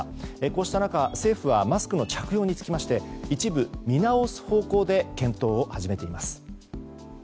こうした中政府は、マスクの着用について一部見直す方向で検討を始めています。